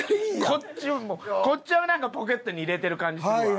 こっちはなんかポケットに入れてる感じするわ。